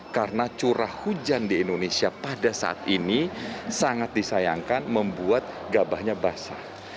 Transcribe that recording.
karena curah hujan di indonesia pada saat ini sangat disayangkan membuat gabahnya basah